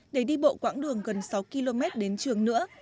để đi bộ quãng đường gần sáu km đến trường nữa